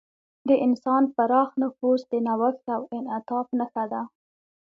د انسان پراخ نفوذ د نوښت او انعطاف نښه ده.